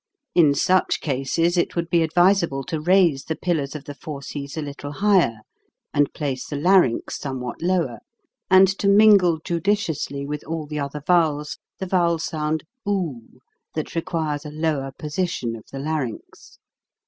In such cases it would be advisable to raise the pillars of the fauces a little higher, and place the larynx somewhat lower, and to mingle judiciously with all the other vowels, the vowel sound oo, that requires a lower position of the larynx.